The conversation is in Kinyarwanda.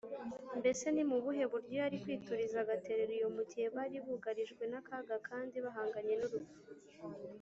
mbese ni mu buhe buryo yari kwituriza agaterera iyo mu gihe bari bugarijwe n’akaga kandi bahanganye n’urupfu